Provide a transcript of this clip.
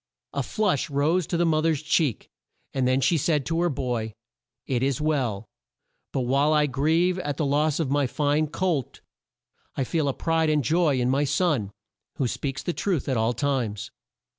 A flush rose to the mo ther's cheek, and then she said to her boy: "It is well; but while I grieve at the loss of my fine colt, I feel a pride and joy in my son, who speaks the truth at all times."